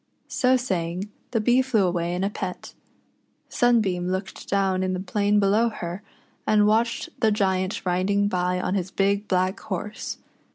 So saying, the Bee flew away in a pet. Sunbeam looked down in the plain below her, and watched the Giant riding by on his big black horse.